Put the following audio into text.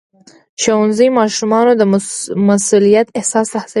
ښوونځی ماشومان د مسؤلیت احساس ته هڅوي.